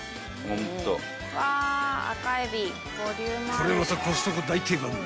［これまたコストコ大定番］